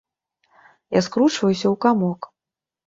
Я скурчваюся ў камок.